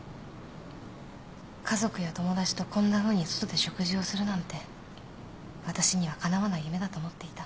家族や友達とこんなふうに外で食事をするなんて私にはかなわない夢だと思っていた。